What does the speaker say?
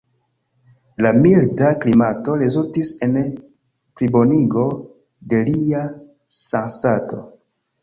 La milda klimato rezultis en plibonigo de lia sanstato.